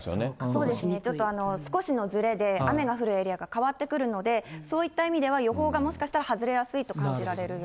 そうですね、ちょっと少しのずれで雨が降るエリアが変わってくるので、そういった意味では予報がもしかしたら外れやすいと感じられるよ